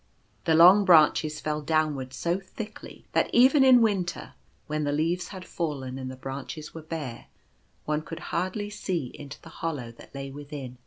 The long branches fell downwards so thickly, that even in winter, when the leaves had fallen and the branches were bare, one could hardly see into the hollow that lay within.